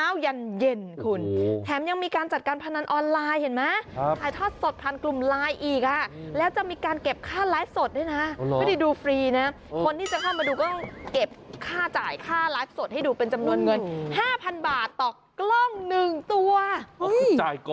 ว่ามีนักพนันกลุ่มใหญ่กระทำการผิดกฎหมาย